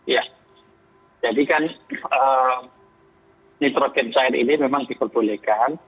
ya jadi kan nitrogen cair ini memang diperbolehkan